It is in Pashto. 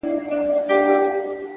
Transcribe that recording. • کلي مو وسوځیږي,